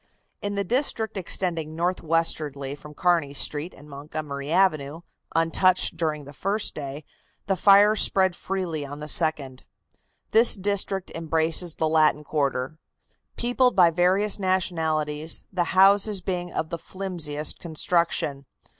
In the district extending northwestwardly from Kearney Street and Montgomery Avenue, untouched during the first day, the fire spread freely on the second. This district embraces the Latin quarter, peopled by various nationalities, the houses being of the flimsiest construction.